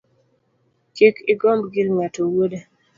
Kik igomb gir ng’ato wuoda